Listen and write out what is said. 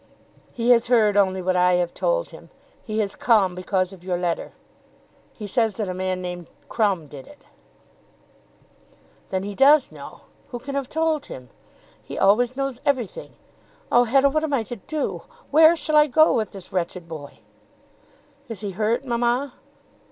"He has heard only what I have told him. He has come because of your letter. He says that a man named Crumb did it." "Then he does know. Who can have told him? He always knows everything. Oh, Hetta, what am I to do? Where shall I go with this wretched boy?" "Is he hurt, mamma?"